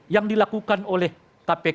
yang dilakukan oleh kpk